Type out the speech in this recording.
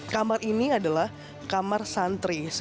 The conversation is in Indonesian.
kamar ini adalah kamar santri